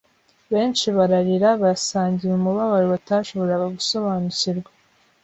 Benshi bararira basangira umubabaro batashoboraga gusobanukirwa